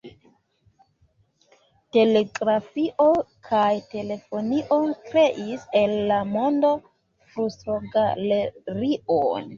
Telegrafio kaj telefonio kreis el la mondo flustrogalerion.